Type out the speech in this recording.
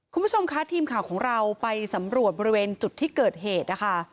คุณผู้ชมคะทีมข่าวของเราไปสำรวจบริเวณจุดที่เกิดเหตุนะคะ